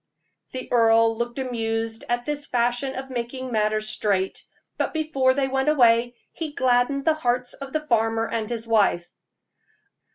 The earl looked amused at this fashion of making matters straight; but before they went away, he gladdened the hearts of the farmer and his wife.